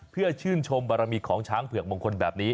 เพื่อชื่นชมบารมีของช้างเผือกมงคลแบบนี้